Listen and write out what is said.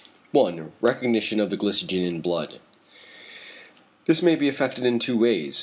1. Recognition of glycogen in blood. This may be effected in two ways.